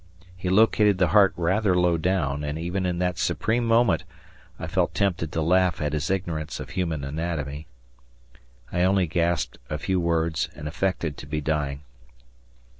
He located the heart rather low down, and even in that supreme moment I felt tempted to laugh at his ignorance of human anatomy. I only gasped a few words and affected to be dying.